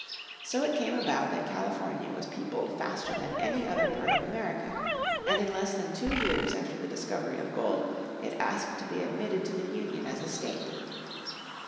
So it came about that California was peopled faster than any other part of America, and in 1849, less than two years after the discovery of gold, it asked to be admitted to the Union as a state.